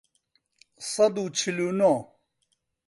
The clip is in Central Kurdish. سەد و چل و نۆ